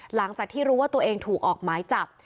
หลังจากที่รู้ว่าตัวเองถูกออกหมายจับ